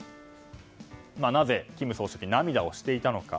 なぜ金総書記、涙をしていたのか。